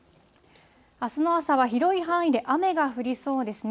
あすの朝は広い範囲で雨が降りそうですね。